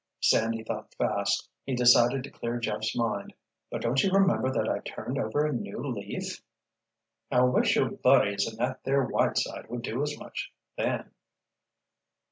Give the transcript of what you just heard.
Sandy thought fast: he decided to clear Jeff's mind. "But don't you remember that I turned over a new leaf?" "I wish your buddies and that there Whiteside would do as much, then."